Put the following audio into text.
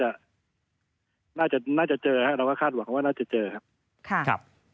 อนั่นเขาน่าจะเจอแล้วคาดมีไปแน่เราก็คาดหวังว่าน่าจะเจอครับ